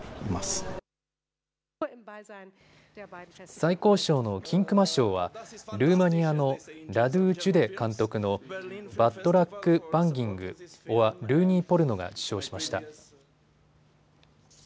最高賞の金熊賞はルーマニアのラドゥ・ジュデ監督のバッド・ラック・バンギング・オア・ルーニー・ポルノが受賞しました。